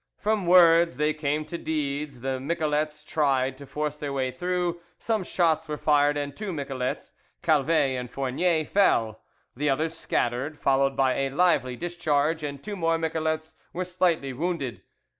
From words they came to deeds: the miquelets tried to force their way through, some shots were fired, and two miquelets, Calvet and Fournier, fell. The others scattered, followed by a lively discharge, and two more miquelets were slightly wounded.